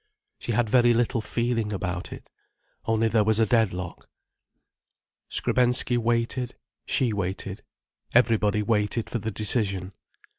She had very little feeling about it: only there was a deadlock. Skrebensky waited, she waited, everybody waited for the decision.